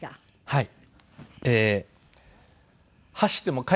はい。